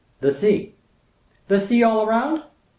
"The sea." "The sea all round?"